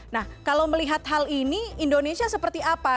nah kalau melihat hal ini indonesia seperti apa